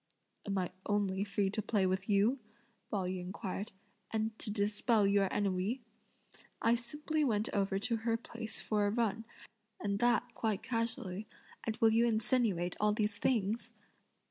"Am I only free to play with you?" Pao yü inquired, "and to dispel your ennui! I simply went over to her place for a run, and that quite casually, and will you insinuate all these things?"